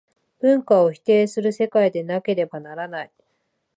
文化をも否定する世界でなければならない。